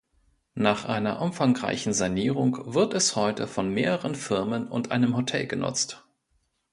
Nach einer umfangreichen Sanierung wird es heute von mehreren Firmen und einem Hotel genutzt.